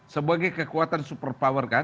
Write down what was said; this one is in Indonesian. sebagai kekuatan super power kan